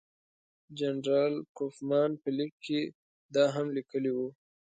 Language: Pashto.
جنرال کوفمان په لیک کې دا هم لیکلي وو.